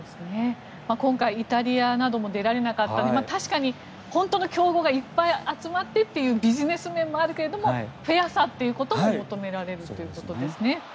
今回、イタリアなども出られなかったので確かに、本当の強豪がいっぱい集まってというビジネス面もあるけれどもフェアさっていうことも求められるっていうことですね。